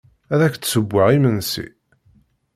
Ad ak-d-ssewweɣ imensi?